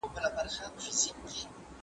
له مُسکۍ ښکلي مي خولګۍ غوښته